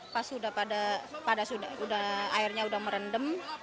pas airnya sudah merendam